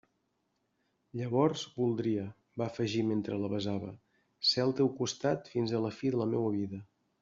Llavors voldria —va afegir mentre la besava— ser al teu costat fins a la fi de la meua vida!